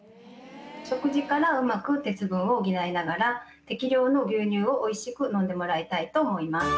食事からうまく鉄分を補いながら、適量の牛乳をおいしく飲んでもらいたいと思います。